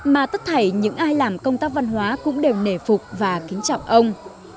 mà tất thảy những ai làm công tác văn hóa cũng đều nể phục và kính trọng ông